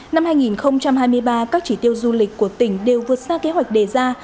năm hai nghìn hai mươi ba các chỉ tiêu du lịch của tỉnh đều vượt xa kế hoạch đề ra